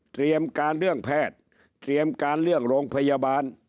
เตรียมการเรื่องแพทย์เตรียมการเรื่องโรงพยาบาล